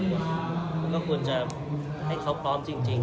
ต้องกดธรรมจริง